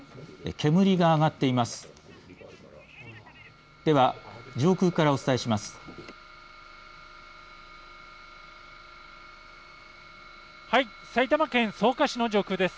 煙が上がっています。